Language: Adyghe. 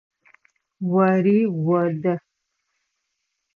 Ори одэ.